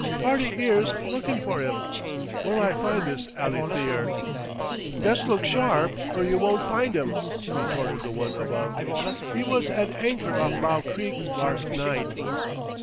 "Party 'ere's lookin' for 'im. Where'll I find this Allytheer?" "Best look sharp 'r yer won't find 'im," retorted the one above. "'E was at anchor off Bow Creek larst night."